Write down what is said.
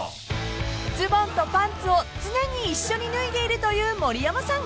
［ズボンとパンツを常に一緒に脱いでいるという盛山さん］